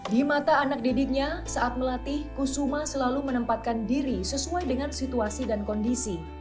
di mata anak didiknya saat melatih kusuma selalu menempatkan diri sesuai dengan situasi dan kondisi